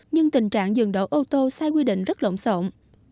nhưng tình trạng dừng đổ ô tô sai quy định rất lộn xộn